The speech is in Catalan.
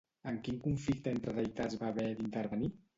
En quin conflicte entre deïtats va haver d'intervenir?